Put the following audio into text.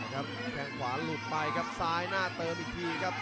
แข้งขวาหลุดไปครับซ้ายหน้าเติมอีกทีครับ